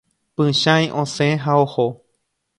Pychãi osẽ ha oho.